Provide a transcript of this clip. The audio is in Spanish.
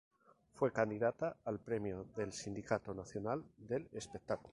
Fue candidata al Premio del Sindicato Nacional del Espectáculo.